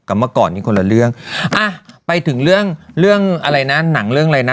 เมื่อก่อนนี้คนละเรื่องอ่ะไปถึงเรื่องเรื่องอะไรนะหนังเรื่องอะไรนะ